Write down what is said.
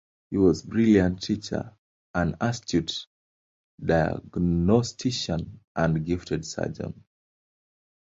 He was a brilliant teacher, an astute diagnostician and a gifted surgeon.